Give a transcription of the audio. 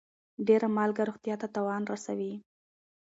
ډيره مالګه روغتيا ته تاوان رسوي.